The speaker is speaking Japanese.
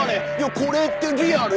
「これってリアル？